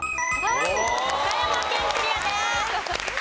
岡山県クリアです！